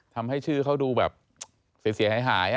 ทำให้ชื่อเขาดูแบบเสียหาย